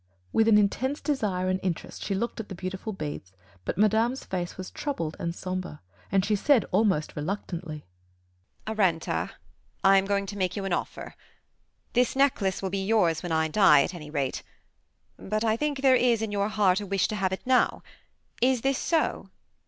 With an intense desire and interest she looked at the beautiful beads, but madame's face was troubled and sombre, and she said almost reluctantly "Arenta, I am going to make you an offer. This necklace will be yours when I die, at any rate; but I think there is in your heart a wish to have it now. Is this so?"